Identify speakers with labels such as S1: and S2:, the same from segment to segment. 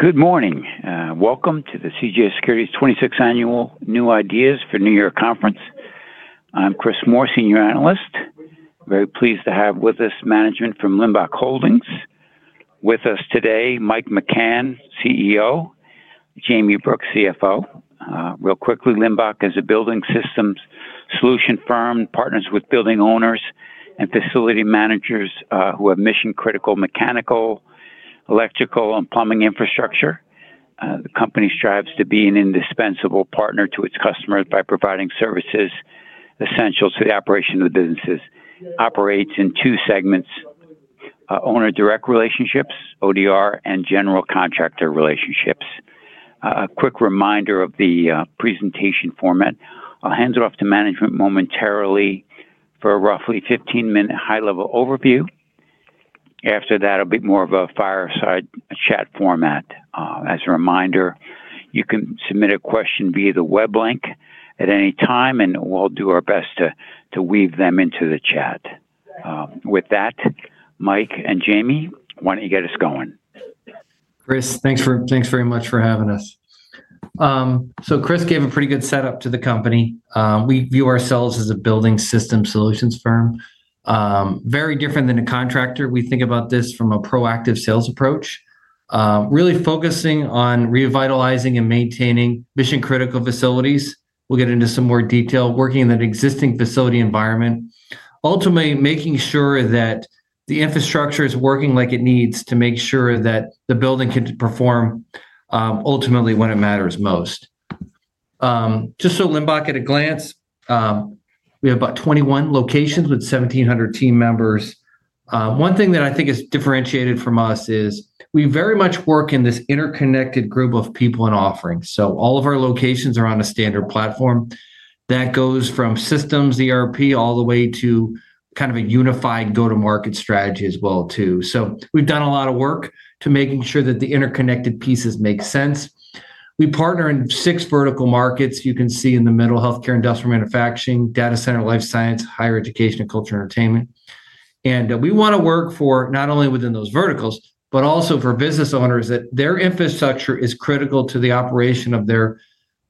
S1: Good morning. Welcome to the CJS Securities 26th Annual New Ideas for New York Conference. I'm Chris Moore, Senior Analyst. Very pleased to have with us management from Limbach Holdings. With us today, Mike McCann, CEO; Jayme Brooks, CFO. Real quickly, Limbach is a building systems solution firm, partners with building owners and facility managers who have mission-critical mechanical, electrical, and plumbing infrastructure. The company strives to be an indispensable partner to its customers by providing services essential to the operation of the businesses. Operates in two segments: owner-direct relationships, ODR, and general contractor relationships. A quick reminder of the presentation format. I'll hand it off to management momentarily for a roughly 15-minute high-level overview. After that, it'll be more of a fireside chat format. As a reminder, you can submit a question via the web link at any time, and we'll do our best to weave them into the chat. With that, Mike and Jayme, why don't you get us going?
S2: Chris, thanks very much for having us. So Chris gave a pretty good setup to the company. We view ourselves as a building systems solutions firm. Very different than a contractor. We think about this from a proactive sales approach, really focusing on revitalizing and maintaining mission-critical facilities. We'll get into some more detail working in an existing facility environment, ultimately making sure that the infrastructure is working like it needs to make sure that the building can perform ultimately when it matters most. Just so Limbach at a glance, we have about 21 locations with 1,700 team members. One thing that I think is differentiated from us is we very much work in this interconnected group of people and offerings. So all of our locations are on a standard platform that goes from systems ERP all the way to kind of a unified go-to-market strategy as well too. So we've done a lot of work to making sure that the interconnected pieces make sense. We partner in six vertical markets you can see in the middle: healthcare, industrial manufacturing, data center, life science, higher education, and cultural entertainment. And we want to work for not only within those verticals, but also for business owners that their infrastructure is critical to the operation of their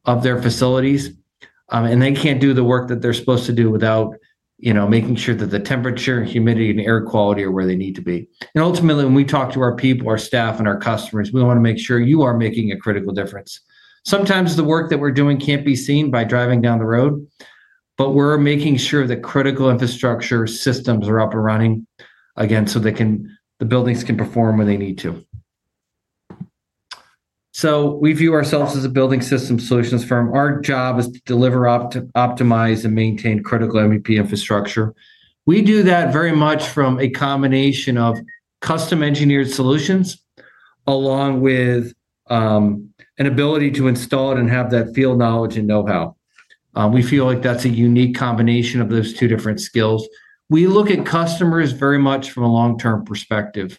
S2: facilities, and they can't do the work that they're supposed to do without making sure that the temperature, humidity, and air quality are where they need to be. And ultimately, when we talk to our people, our staff, and our customers, we want to make sure you are making a critical difference. Sometimes the work that we're doing can't be seen by driving down the road, but we're making sure that critical infrastructure systems are up and running again so that the buildings can perform when they need to. So we view ourselves as a building systems solutions firm. Our job is to deliver, optimize, and maintain critical MEP infrastructure. We do that very much from a combination of custom-engineered solutions along with an ability to install it and have that field knowledge and know-how. We feel like that's a unique combination of those two different skills. We look at customers very much from a long-term perspective.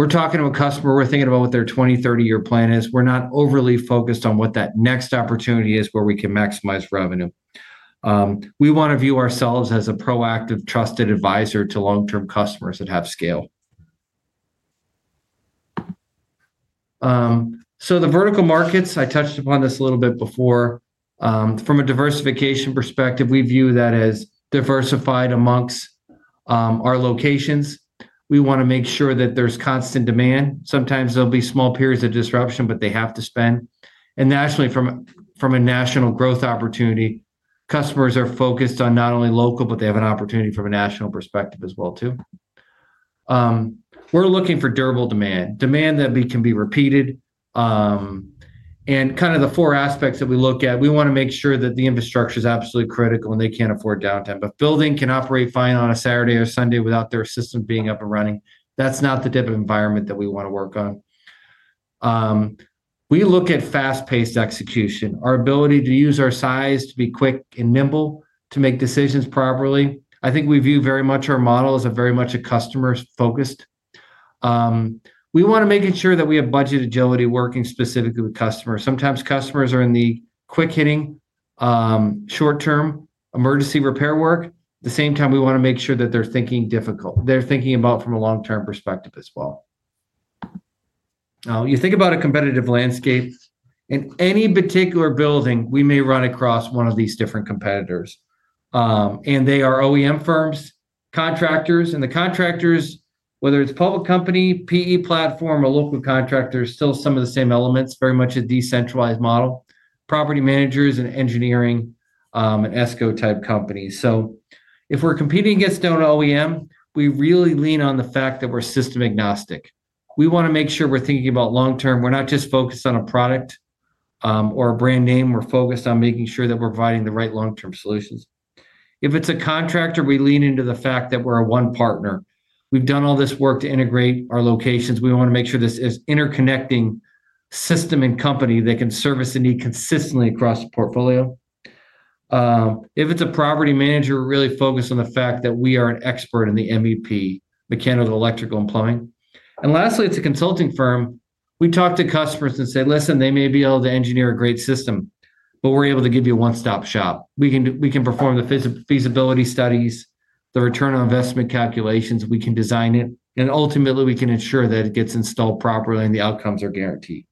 S2: We're talking to a customer. We're thinking about what their 20-30 year plan is. We're not overly focused on what that next opportunity is where we can maximize revenue. We want to view ourselves as a proactive, trusted advisor to long-term customers that have scale. So the vertical markets, I touched upon this a little bit before. From a diversification perspective, we view that as diversified amongst our locations. We want to make sure that there's constant demand. Sometimes there'll be small periods of disruption, but they have to spend. And nationally, from a national growth opportunity, customers are focused on not only local, but they have an opportunity from a national perspective as well too. We're looking for durable demand, demand that can be repeated. And kind of the four aspects that we look at, we want to make sure that the infrastructure is absolutely critical and they can't afford downtime. A building can operate fine on a Saturday or Sunday without their system being up and running. That's not the type of environment that we want to work on. We look at fast-paced execution, our ability to use our size to be quick and nimble to make decisions properly. I think we view very much our model as very much customer-focused. We want to make sure that we have budget agility working specifically with customers. Sometimes customers are in the quick-hitting, short-term emergency repair work. At the same time, we want to make sure that they're thinking about from a long-term perspective as well. Now, you think about a competitive landscape. In any particular building, we may run across one of these different competitors, and they are OEM firms, contractors, and the contractors, whether it's public company, PE platform, or local contractors, still some of the same elements, very much a decentralized model, property managers, and engineering, and ESCO-type companies, so if we're competing against an OEM, we really lean on the fact that we're system-agnostic. We want to make sure we're thinking about long-term. We're not just focused on a product or a brand name. We're focused on making sure that we're providing the right long-term solutions. If it's a contractor, we lean into the fact that we're a one partner. We've done all this work to integrate our locations. We want to make sure this is interconnecting system and company that can service the need consistently across the portfolio. If it's a property manager, we're really focused on the fact that we are an expert in the MEP, mechanical, electrical, and plumbing. And lastly, it's a consulting firm. We talk to customers and say, "Listen, they may be able to engineer a great system, but we're able to give you a one-stop shop. We can perform the feasibility studies, the return on investment calculations. We can design it. And ultimately, we can ensure that it gets installed properly and the outcomes are guaranteed."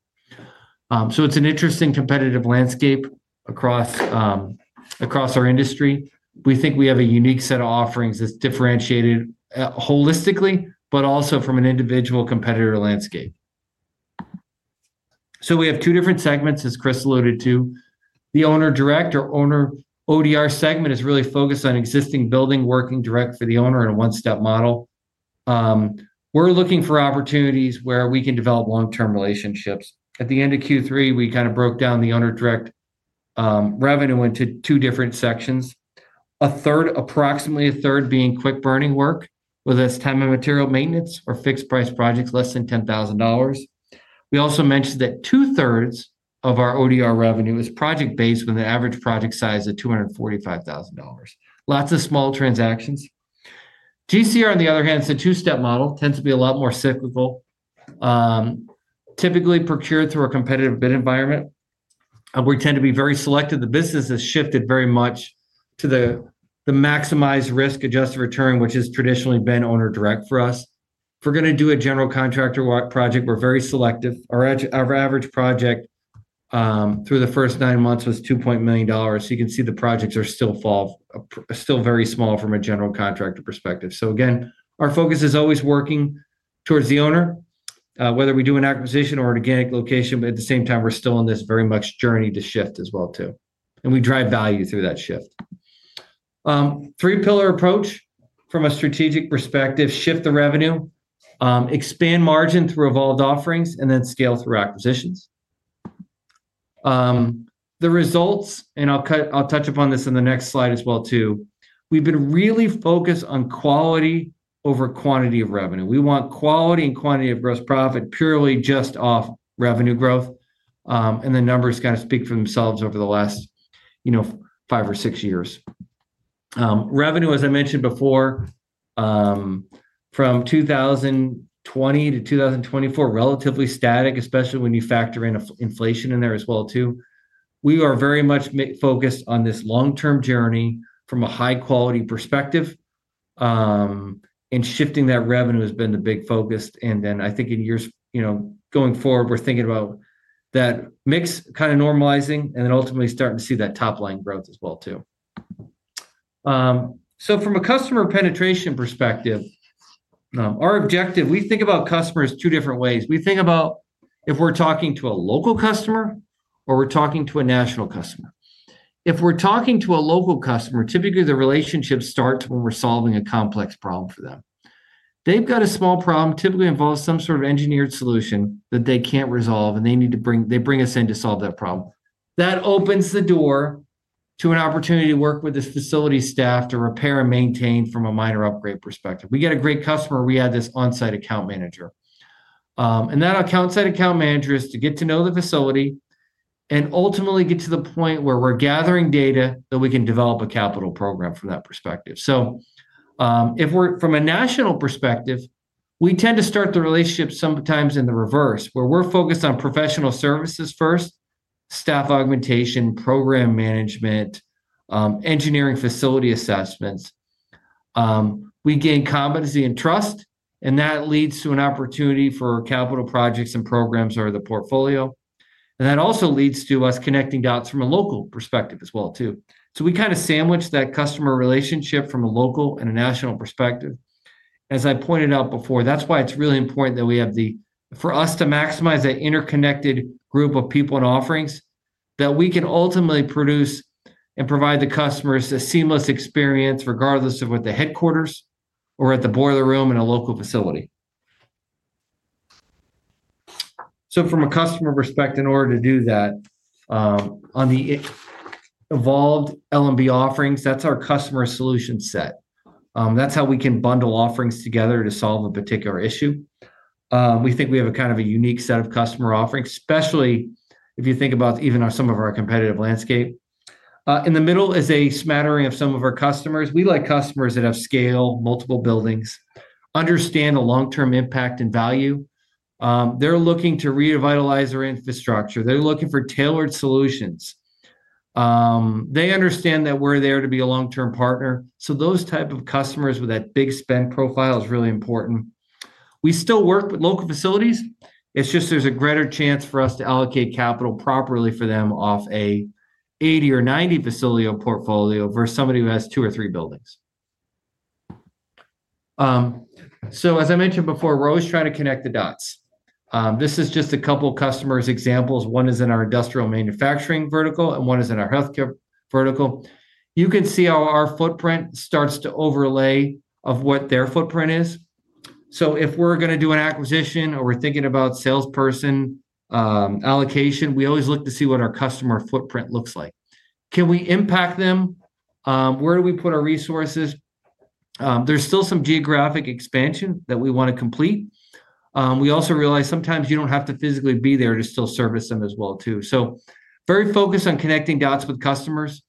S2: So it's an interesting competitive landscape across our industry. We think we have a unique set of offerings that's differentiated holistically, but also from an individual competitor landscape. So we have two different segments, as Chris alluded to. The owner-direct or owner ODR segment is really focused on existing buildings, working directly for the owner in a one-step model. We're looking for opportunities where we can develop long-term relationships. At the end of Q3, we kind of broke down the owner-direct revenue into two different sections. Approximately a third being quick-burning work, whether that's time and material maintenance or fixed-price projects less than $10,000. We also mentioned that two-thirds of our ODR revenue is project-based with an average project size of $245,000. Lots of small transactions. GCR, on the other hand, it's a two-step model, tends to be a lot more cyclical, typically procured through a competitive bid environment. We tend to be very selective. The business has shifted very much to the maximized risk-adjusted return, which has traditionally been owner-direct for us. If we're going to do a general contractor project, we're very selective. Our average project through the first nine months was $2 million. You can see the projects are still very small from a general contractor perspective. So again, our focus is always working towards the owner, whether we do an acquisition or an organic location, but at the same time, we're still in this very much journey to shift as well too, and we drive value through that shift. Three-pillar approach from a strategic perspective: shift the revenue, expand margin through evolved offerings, and then scale through acquisitions. The results, and I'll touch upon this in the next slide as well too. We've been really focused on quality over quantity of revenue. We want quality and quantity of gross profit purely just off revenue growth, and the numbers kind of speak for themselves over the last five or six years. Revenue, as I mentioned before, from 2020-2024, relatively static, especially when you factor in inflation in there as well too. We are very much focused on this long-term journey from a high-quality perspective, and shifting that revenue has been the big focus, and then I think in years going forward, we're thinking about that mix kind of normalizing and then ultimately starting to see that top-line growth as well too, so from a customer penetration perspective, our objective, we think about customers two different ways. We think about if we're talking to a local customer or we're talking to a national customer. If we're talking to a local customer, typically the relationships start when we're solving a complex problem for them. They've got a small problem typically involves some sort of engineered solution that they can't resolve, and they bring us in to solve that problem. That opens the door to an opportunity to work with this facility staff to repair and maintain from a minor upgrade perspective. We get a great customer. We add this on-site account manager. That on-site account manager is to get to know the facility and ultimately get to the point where we're gathering data that we can develop a capital program from that perspective. So from a national perspective, we tend to start the relationship sometimes in the reverse, where we're focused on professional services first, staff augmentation, program management, engineering facility assessments. We gain competency and trust, and that leads to an opportunity for capital projects and programs or the portfolio. And that also leads to us connecting dots from a local perspective as well too. So we kind of sandwich that customer relationship from a local and a national perspective. As I pointed out before, that's why it's really important that we have the, for us to maximize that interconnected group of people and offerings, that we can ultimately produce and provide the customers a seamless experience regardless of what the headquarters or at the boiler room in a local facility. So from a customer perspective, in order to do that, on the evolved LMB offerings, that's our customer solution set. That's how we can bundle offerings together to solve a particular issue. We think we have a kind of a unique set of customer offerings, especially if you think about even some of our competitive landscape. In the middle is a smattering of some of our customers. We like customers that have scale, multiple buildings, understand the long-term impact and value. They're looking to revitalize their infrastructure. They're looking for tailored solutions. They understand that we're there to be a long-term partner. So those types of customers with that big spend profile is really important. We still work with local facilities. It's just there's a greater chance for us to allocate capital properly for them off an 80 or 90 facility portfolio versus somebody who has two or three buildings. So as I mentioned before, we're always trying to connect the dots. This is just a couple of customers' examples. One is in our industrial manufacturing vertical, and one is in our healthcare vertical. You can see how our footprint starts to overlay of what their footprint is. So if we're going to do an acquisition or we're thinking about salesperson allocation, we always look to see what our customer footprint looks like. Can we impact them? Where do we put our resources? There's still some geographic expansion that we want to complete. We also realize sometimes you don't have to physically be there to still service them as well too. So very focused on connecting dots with customers.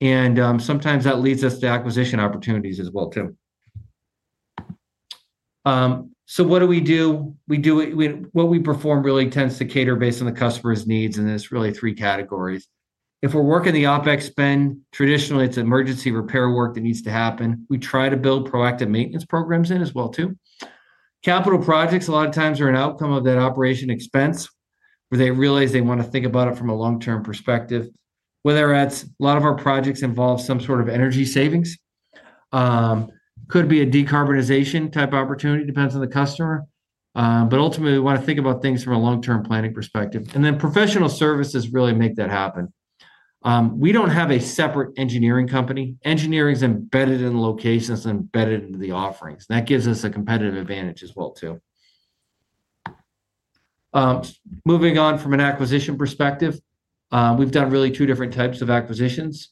S2: And sometimes that leads us to acquisition opportunities as well too. So what do we do? What we perform really tends to cater based on the customer's needs, and there's really three categories. If we're working the OPEX spend, traditionally it's emergency repair work that needs to happen. We try to build proactive maintenance programs in as well too. Capital projects a lot of times are an outcome of that operating expense where they realize they want to think about it from a long-term perspective. Whether it's a lot of our projects involve some sort of energy savings, could be a decarbonization type opportunity. It depends on the customer, but ultimately, we want to think about things from a long-term planning perspective, and then professional services really make that happen. We don't have a separate engineering company. Engineering's embedded in locations and embedded into the offerings, and that gives us a competitive advantage as well too. Moving on from an acquisition perspective, we've done really two different types of acquisitions.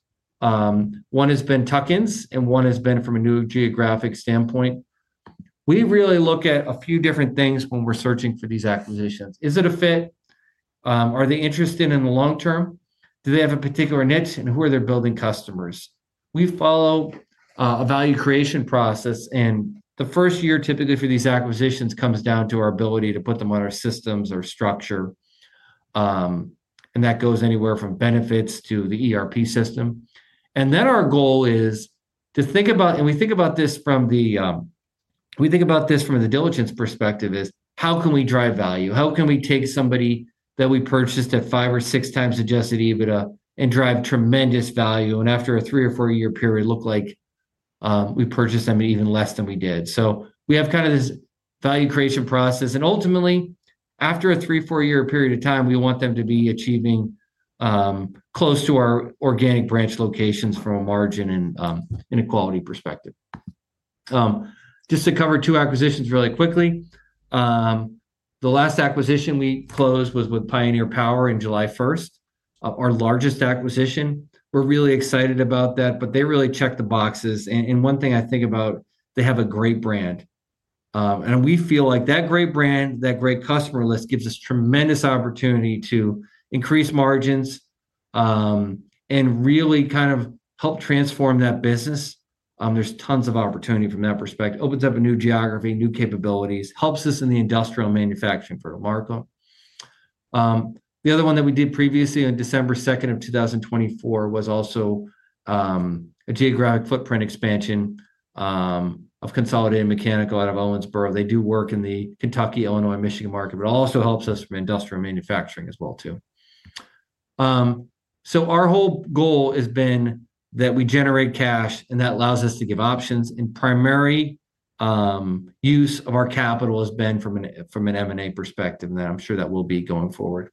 S2: One has been tuck-ins, and one has been from a new geographic standpoint. We really look at a few different things when we're searching for these acquisitions. Is it a fit? Are they interested in the long term? Do they have a particular niche? And who are their building customers? We follow a value creation process. The first year typically for these acquisitions comes down to our ability to put them on our systems or structure. That goes anywhere from benefits to the ERP system. Our goal is to think about this from the diligence perspective: how can we drive value? How can we take somebody that we purchased at five or six times Adjusted EBITDA and drive tremendous value? After a three or four-year period, look like we purchased them even less than we did. We have kind of this value creation process. Ultimately, after a three or four-year period of time, we want them to be achieving close to our organic branch locations from a margin and quality perspective. Just to cover two acquisitions really quickly. The last acquisition we closed was with Pioneer Power Group on July 1st, our largest acquisition. We're really excited about that, but they really checked the boxes. And one thing I think about, they have a great brand. And we feel like that great brand, that great customer list gives us tremendous opportunity to increase margins and really kind of help transform that business. There's tons of opportunity from that perspective. Opens up a new geography, new capabilities, helps us in the industrial manufacturing for the market. The other one that we did previously on December 2nd of 2024 was also a geographic footprint expansion of Consolidated Mechanical out of Owensboro. They do work in the Kentucky, Illinois, Michigan market, but it also helps us from industrial manufacturing as well too. So our whole goal has been that we generate cash, and that allows us to give options, and primary use of our capital has been from an M&A perspective, and I'm sure that will be going forward,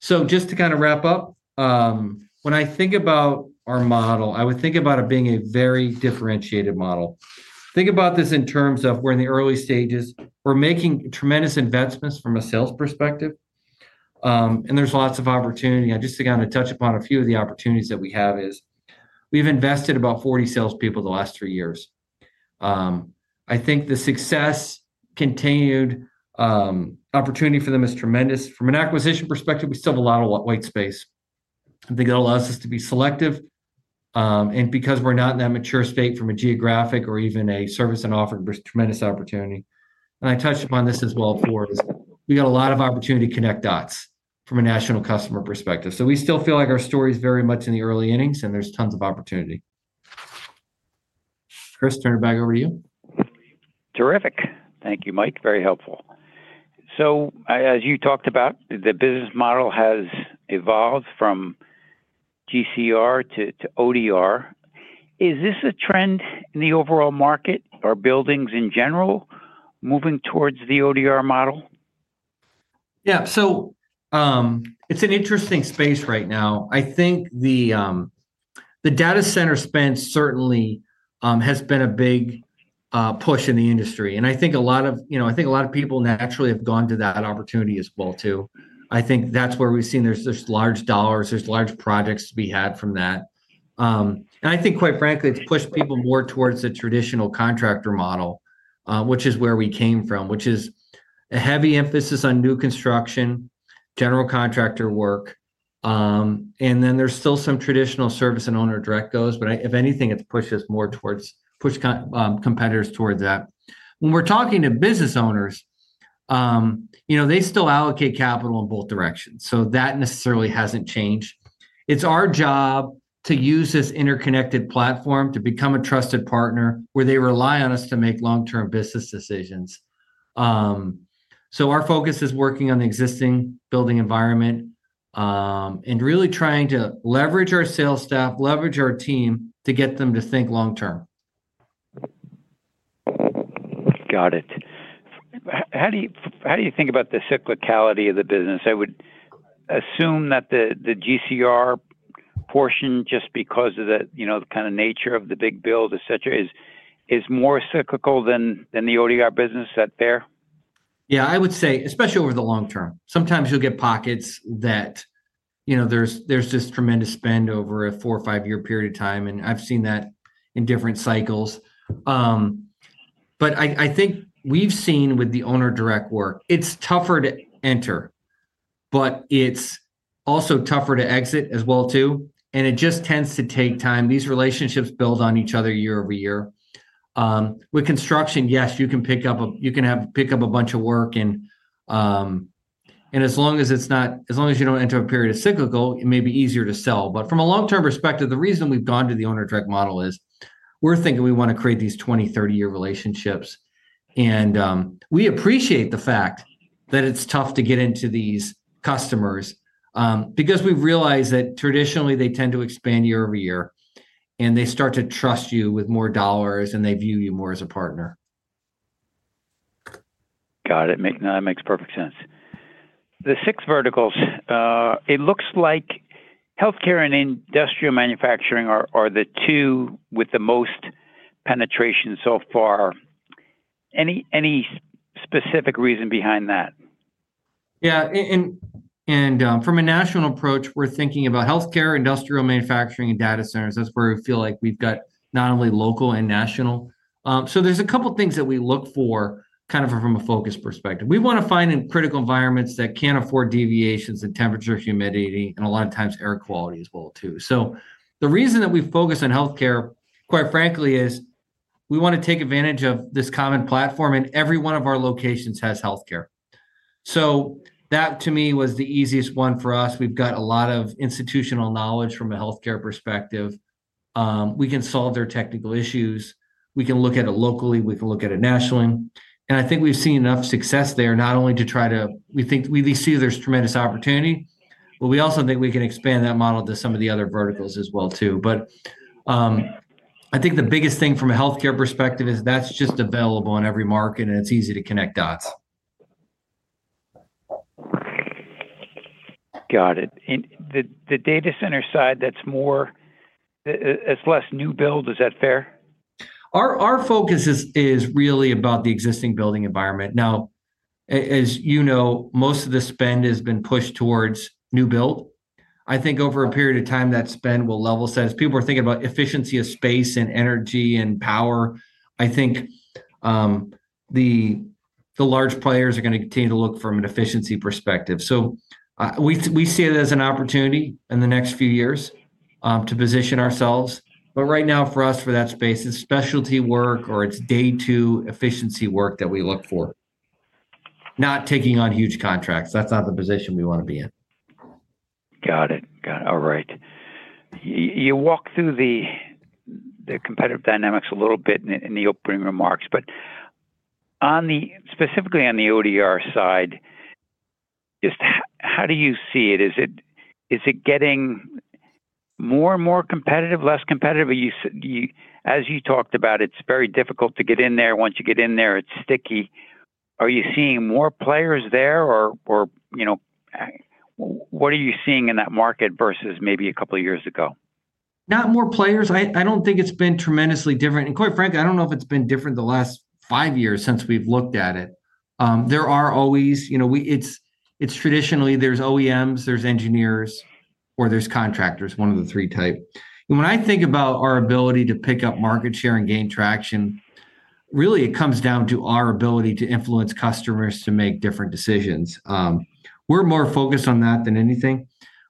S2: so just to kind of wrap up, when I think about our model, I would think about it being a very differentiated model. Think about this in terms of we're in the early stages. We're making tremendous investments from a sales perspective, and there's lots of opportunity. Just to kind of touch upon a few of the opportunities that we have is we've invested about 40 salespeople the last three years. I think the success continued. Opportunity for them is tremendous. From an acquisition perspective, we still have a lot of white space. I think it allows us to be selective. And because we're not in that mature state from a geographic or even a service and offering, there's tremendous opportunity. And I touched upon this as well before. We got a lot of opportunity to connect dots from a national customer perspective. So we still feel like our story is very much in the early innings, and there's tons of opportunity. Chris, turn it back over to you.
S1: Terrific. Thank you, Mike. Very helpful. So as you talked about, the business model has evolved from GCR to ODR. Is this a trend in the overall market or buildings in general moving towards the ODR model?
S2: Yeah, so it's an interesting space right now. I think the data center spend certainly has been a big push in the industry. And I think a lot of, I think a lot of people naturally have gone to that opportunity as well too. I think that's where we've seen there's large dollars, there's large projects to be had from that. And I think, quite frankly, it's pushed people more towards the traditional contractor model, which is where we came from, which is a heavy emphasis on new construction, general contractor work. And then there's still some traditional service and owner direct jobs, but if anything, it's pushed us more towards competitors towards that. When we're talking to business owners, they still allocate capital in both directions. So that necessarily hasn't changed. It's our job to use this interconnected platform to become a trusted partner where they rely on us to make long-term business decisions. So our focus is working on the existing building environment and really trying to leverage our sales staff, leverage our team to get them to think long term.
S1: Got it. How do you think about the cyclicality of the business? I would assume that the GCR portion, just because of the kind of nature of the big build, etc., is more cyclical than the ODR business sits there?
S2: Yeah, I would say, especially over the long term. Sometimes you'll get pockets that there's just tremendous spend over a four or five-year period of time, and I've seen that in different cycles, but I think we've seen with the owner direct work, it's tougher to enter, but it's also tougher to exit as well too, and it just tends to take time. These relationships build on each other year over year. With construction, yes, you can pick up a, you can pick up a bunch of work, and as long as it's not, as long as you don't enter a period of cyclical, it may be easier to sell, but from a long-term perspective, the reason we've gone to the owner direct model is we're thinking we want to create these 20, 30-year relationships. We appreciate the fact that it's tough to get into these customers because we've realized that traditionally they tend to expand year over year and they start to trust you with more dollars and they view you more as a partner.
S1: Got it. That makes perfect sense. The six verticals, it looks like healthcare and industrial manufacturing are the two with the most penetration so far. Any specific reason behind that?
S2: Yeah. And from a national approach, we're thinking about healthcare, industrial manufacturing, and data centers. That's where we feel like we've got not only local and national. So there's a couple of things that we look for kind of from a focus perspective. We want to find in critical environments that can't afford deviations in temperature, humidity, and a lot of times air quality as well too. So the reason that we focus on healthcare, quite frankly, is we want to take advantage of this common platform, and every one of our locations has healthcare. So that to me was the easiest one for us. We've got a lot of institutional knowledge from a healthcare perspective. We can solve their technical issues. We can look at it locally. We can look at it nationally. And I think we've seen enough success there, not only to try to, we think we see there's tremendous opportunity, but we also think we can expand that model to some of the other verticals as well too. But I think the biggest thing from a healthcare perspective is that's just available in every market, and it's easy to connect dots.
S1: Got it. And the data center side, that's less new build. Is that fair?
S2: Our focus is really about the existing building environment. Now, as you know, most of the spend has been pushed towards new build. I think over a period of time, that spend will level set. As people are thinking about efficiency of space and energy and power, I think the large players are going to continue to look from an efficiency perspective. So we see it as an opportunity in the next few years to position ourselves. But right now, for us, for that space, it's specialty work or it's day two efficiency work that we look for. Not taking on huge contracts. That's not the position we want to be in.
S1: Got it. Got it. All right. You walk through the competitive dynamics a little bit in the opening remarks, but specifically on the ODR side, just how do you see it? Is it getting more and more competitive, less competitive? As you talked about, it's very difficult to get in there. Once you get in there, it's sticky. Are you seeing more players there, or what are you seeing in that market versus maybe a couple of years ago?
S2: Not more players. I don't think it's been tremendously different. And quite frankly, I don't know if it's been different the last five years since we've looked at it. There are always, it's traditionally, there's OEMs, there's engineers, or there's contractors, one of the three types. And when I think about our ability to pick up market share and gain traction, really it comes down to our ability to influence customers to make different decisions. We're more focused on that than anything.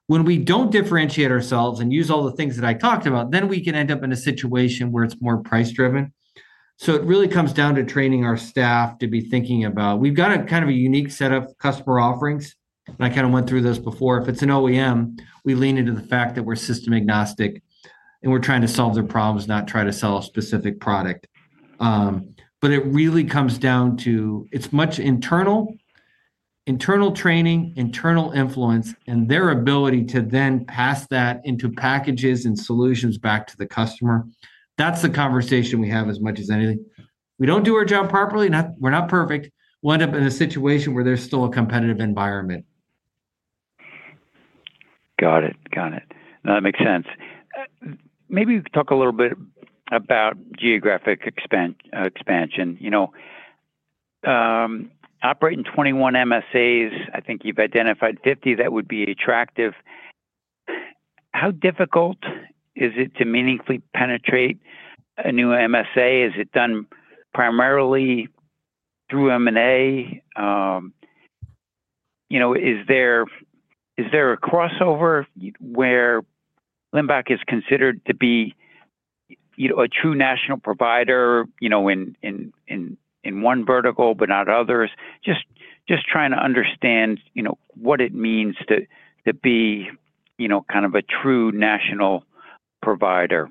S2: When we don't differentiate ourselves and use all the things that I talked about, then we can end up in a situation where it's more price-driven. So it really comes down to training our staff to be thinking about, we've got a kind of a unique set of customer offerings. And I kind of went through this before. If it's an OEM, we lean into the fact that we're system agnostic and we're trying to solve their problems, not try to sell a specific product. But it really comes down to, it's much internal training, internal influence, and their ability to then pass that into packages and solutions back to the customer. That's the conversation we have as much as anything. We don't do our job properly. We're not perfect. We'll end up in a situation where there's still a competitive environment.
S1: Got it. Got it. That makes sense. Maybe we could talk a little bit about geographic expansion. Operating 21 MSAs, I think you've identified 50 that would be attractive. How difficult is it to meaningfully penetrate a new MSA? Is it done primarily through M&A? Is there a crossover where Limbach is considered to be a true national provider in one vertical, but not others? Just trying to understand what it means to be kind of a true national provider.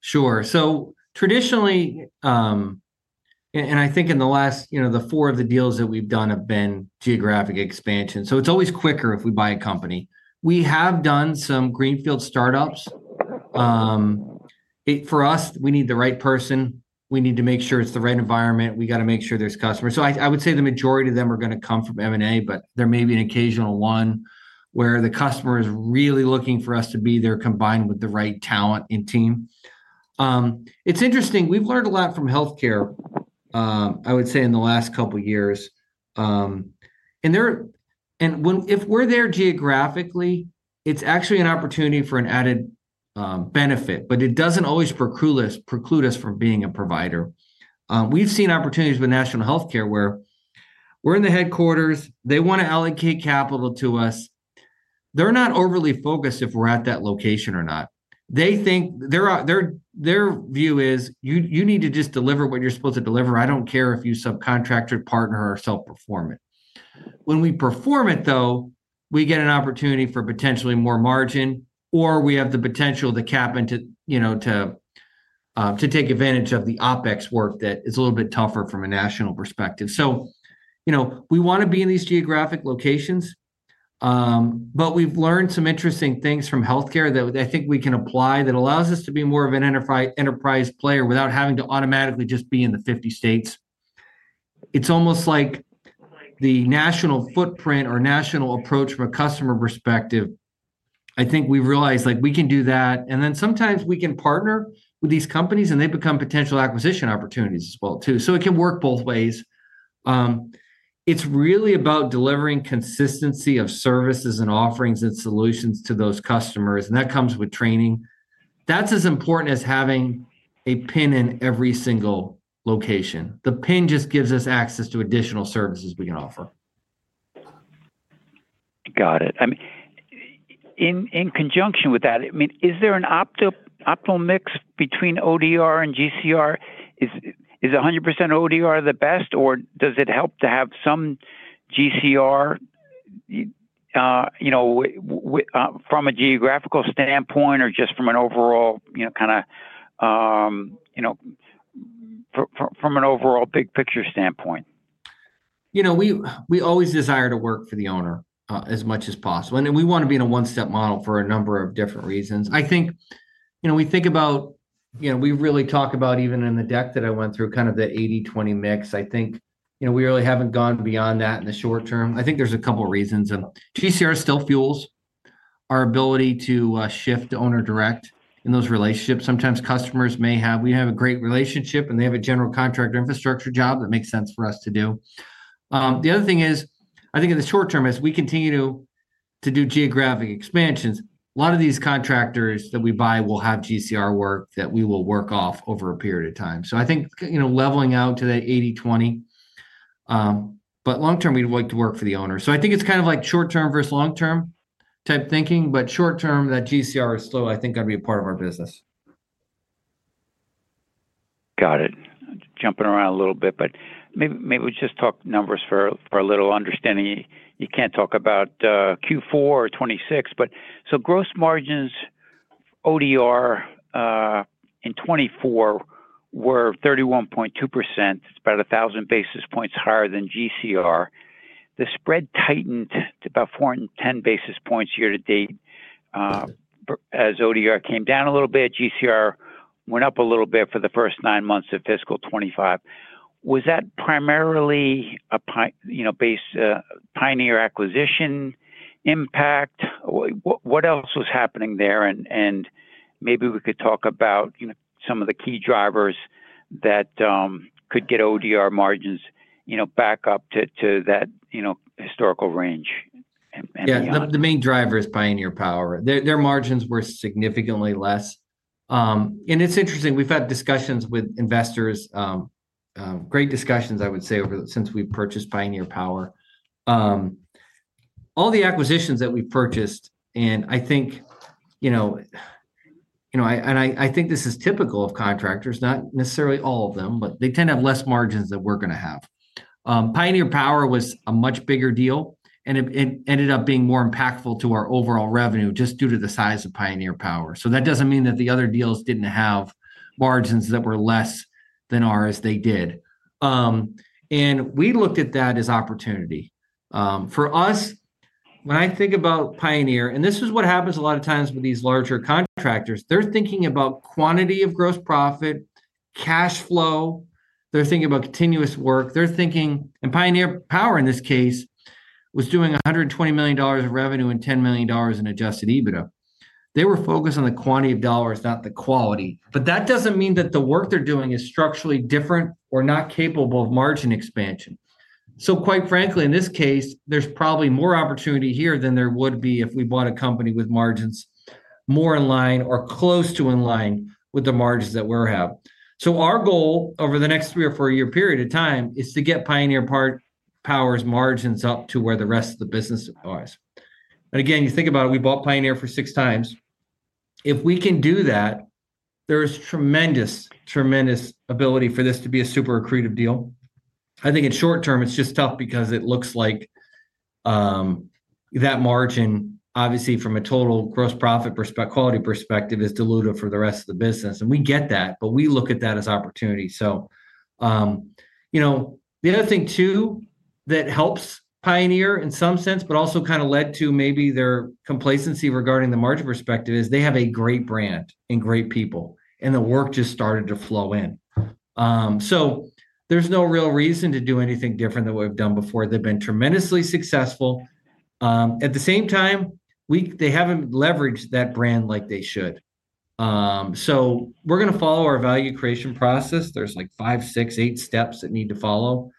S2: Sure. So traditionally, and I think in the last, the four of the deals that we've done have been geographic expansion. So it's always quicker if we buy a company. We have done some greenfield startups. For us, we need the right person. We need to make sure it's the right environment. We got to make sure there's customers. So I would say the majority of them are going to come from M&A, but there may be an occasional one where the customer is really looking for us to be there combined with the right talent and team. It's interesting. We've learned a lot from healthcare, I would say, in the last couple of years, and if we're there geographically, it's actually an opportunity for an added benefit, but it doesn't always preclude us from being a provider. We've seen opportunities with national healthcare where we're in the headquarters. They want to allocate capital to us. They're not overly focused if we're at that location or not. They think their view is, you need to just deliver what you're supposed to deliver. I don't care if you subcontract or partner or self-perform it. When we perform it, though, we get an opportunity for potentially more margin, or we have the potential to tap into to take advantage of the OPEX work that is a little bit tougher from a national perspective. So we want to be in these geographic locations, but we've learned some interesting things from healthcare that I think we can apply that allows us to be more of an enterprise player without having to automatically just be in the 50 states. It's almost like the national footprint or national approach from a customer perspective. I think we realize we can do that. And then sometimes we can partner with these companies, and they become potential acquisition opportunities as well too. So it can work both ways. It's really about delivering consistency of services and offerings and solutions to those customers. And that comes with training. That's as important as having a pin in every single location. The pin just gives us access to additional services we can offer.
S1: Got it. In conjunction with that, I mean, is there an optimal mix between ODR and GCR? Is 100% ODR the best, or does it help to have some GCR from a geographical standpoint or just from an overall kind of big picture standpoint?
S2: We always desire to work for the owner as much as possible. And we want to be in a one-step model for a number of different reasons. I think we think about, we really talk about even in the deck that I went through, kind of the 80/20 mix. I think we really haven't gone beyond that in the short term. I think there's a couple of reasons. GCR still fuels our ability to shift to owner direct in those relationships. Sometimes customers may have, we have a great relationship, and they have a general contractor infrastructure job that makes sense for us to do. The other thing is, I think in the short term, as we continue to do geographic expansions, a lot of these contractors that we buy will have GCR work that we will work off over a period of time. So I think leveling out to that 80/20, but long term, we'd like to work for the owner. So I think it's kind of like short term versus long term type thinking, but short term, that GCR is still, I think, going to be a part of our business.
S1: Got it. Jumping around a little bit, but maybe we just talk numbers for a little understanding. You can't talk about Q4 or 2026, but so gross margins ODR in 2024 were 31.2%. It's about 1,000 basis points higher than GCR. The spread tightened to about 410 basis points year to date as ODR came down a little bit. GCR went up a little bit for the first nine months of fiscal 2025. Was that primarily a Pioneer acquisition impact? What else was happening there? And maybe we could talk about some of the key drivers that could get ODR margins back up to that historical range.
S2: Yeah. The main driver is Pioneer Power. Their margins were significantly less. And it's interesting. We've had discussions with investors, great discussions, I would say, since we've purchased Pioneer Power. All the acquisitions that we've purchased, and I think this is typical of contractors, not necessarily all of them, but they tend to have less margins than we're going to have. Pioneer Power was a much bigger deal and ended up being more impactful to our overall revenue just due to the size of Pioneer Power. So that doesn't mean that the other deals didn't have margins that were less than ours they did. And we looked at that as opportunity. For us, when I think about Pioneer, and this is what happens a lot of times with these larger contractors, they're thinking about quantity of gross profit, cash flow. They're thinking about continuous work. They're thinking, and Pioneer Power in this case was doing $120 million of revenue and $10 million in Adjusted EBITDA. They were focused on the quantity of dollars, not the quality. But that doesn't mean that the work they're doing is structurally different or not capable of margin expansion. So quite frankly, in this case, there's probably more opportunity here than there would be if we bought a company with margins more in line or close to in line with the margins that we have. So our goal over the next three- or four-year period of time is to get Pioneer Power's margins up to where the rest of the business is. And again, you think about it, we bought Pioneer Power for six times. If we can do that, there is tremendous, tremendous ability for this to be a super accretive deal. I think in short term, it's just tough because it looks like that margin, obviously from a total gross profit quality perspective, is diluted for the rest of the business. And we get that, but we look at that as opportunity. So the other thing too that helps Pioneer in some sense, but also kind of led to maybe their complacency regarding the margin perspective is they have a great brand and great people, and the work just started to flow in. So there's no real reason to do anything different than what we've done before. They've been tremendously successful. At the same time, they haven't leveraged that brand like they should. So we're going to follow our value creation process. There's like five, six, eight steps that need to follow.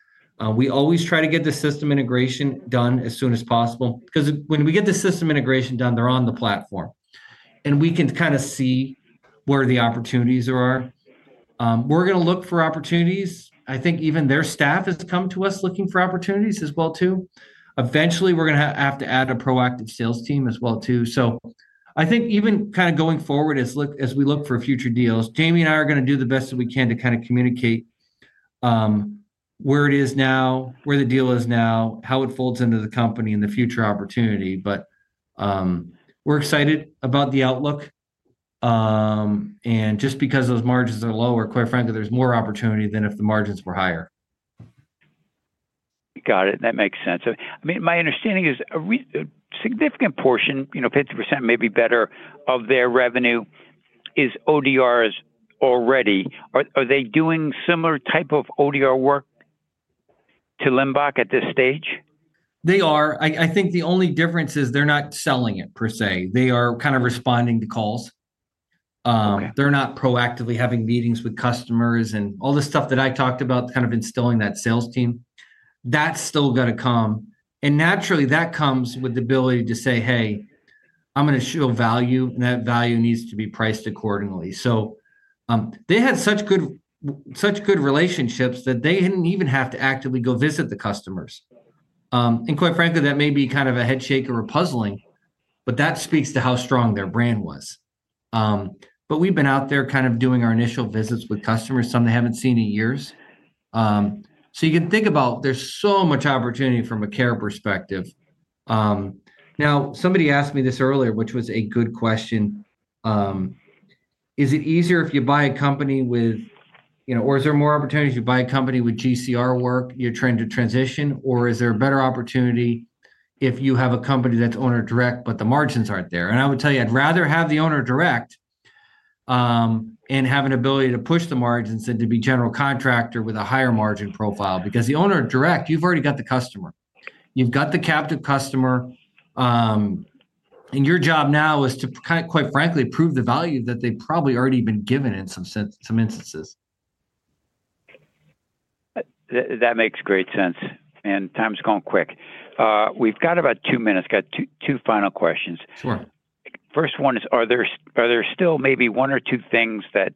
S2: We always try to get the system integration done as soon as possible because when we get the system integration done, they're on the platform, and we can kind of see where the opportunities are. We're going to look for opportunities. I think even their staff has come to us looking for opportunities as well too. Eventually, we're going to have to add a proactive sales team as well too. So I think even kind of going forward as we look for future deals, Jayme and I are going to do the best that we can to kind of communicate where it is now, where the deal is now, how it folds into the company and the future opportunity. But we're excited about the outlook. And just because those margins are lower, quite frankly, there's more opportunity than if the margins were higher.
S1: Got it. That makes sense. I mean, my understanding is a significant portion, 50% maybe better of their revenue is ODRs already. Are they doing similar type of ODR work to Limbach at this stage?
S2: They are. I think the only difference is they're not selling it per se. They are kind of responding to calls. They're not proactively having meetings with customers and all the stuff that I talked about kind of instilling that sales team. That's still going to come, and naturally, that comes with the ability to say, "Hey, I'm going to show value, and that value needs to be priced accordingly," so they had such good relationships that they didn't even have to actively go visit the customers, and quite frankly, that may be kind of a head-scratcher or puzzling, but that speaks to how strong their brand was, but we've been out there kind of doing our initial visits with customers, some they haven't seen in years, so you can think about, there's so much opportunity from a care perspective. Now, somebody asked me this earlier, which was a good question. Is it easier if you buy a company with, or is there more opportunities if you buy a company with GCR work, you're trying to transition, or is there a better opportunity if you have a company that's owner direct, but the margins aren't there? And I would tell you, I'd rather have the owner direct and have an ability to push the margins than to be general contractor with a higher margin profile because the owner direct, you've already got the customer. You've got the captive customer. And your job now is to kind of, quite frankly, prove the value that they've probably already been given in some instances.
S1: That makes great sense, and time's going quick. We've got about two minutes. Got two final questions.
S2: Sure.
S1: First one is, are there still maybe one or two things that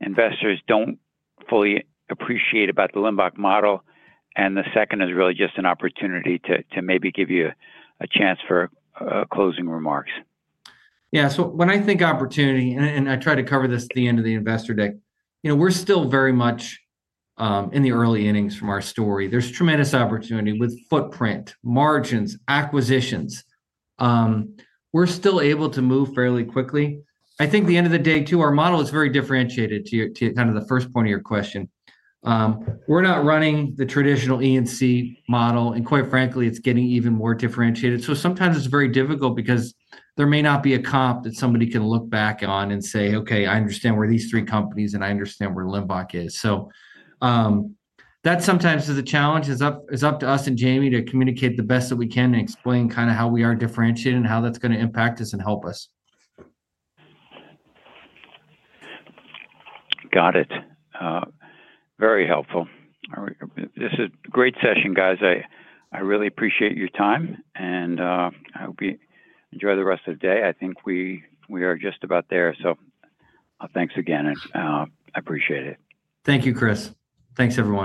S1: investors don't fully appreciate about the Limbach model? And the second is really just an opportunity to maybe give you a chance for closing remarks.
S2: Yeah. So when I think opportunity, and I try to cover this at the end of the investor deck, we're still very much in the early innings from our story. There's tremendous opportunity with footprint, margins, acquisitions. We're still able to move fairly quickly. I think the end of the day too, our model is very differentiated to kind of the first point of your question. We're not running the traditional E&C model, and quite frankly, it's getting even more differentiated. So sometimes it's very difficult because there may not be a comp that somebody can look back on and say, "Okay, I understand where these three companies and I understand where Limbach is." So that sometimes is a challenge. It's up to us and Jayme to communicate the best that we can and explain kind of how we are differentiated and how that's going to impact us and help us.
S1: Got it. Very helpful. This is a great session, guys. I really appreciate your time, and I hope you enjoy the rest of the day. I think we are just about there. So thanks again, and I appreciate it.
S2: Thank you, Chris. Thanks everyone.